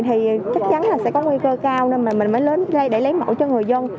thì chắc chắn là sẽ có nguy cơ cao nên mà mình mới đến đây để lấy mẫu cho người dân